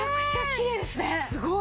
すごい。